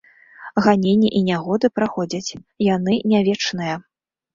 Ганенні і нягоды праходзяць, яны не вечныя.